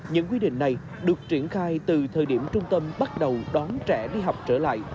những quy định này được triển khai từ thời điểm trung tâm bắt đầu đón trẻ đi học trở lại